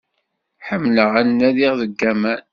Ḥemmleɣ ad nadiɣ deg aman.